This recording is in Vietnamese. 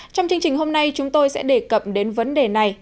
trong chương trình hôm nay chúng tôi sẽ đề cập đến vấn đề này